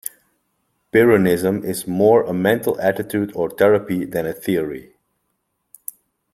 Pyrrhonism is more a mental attitude or therapy than a theory.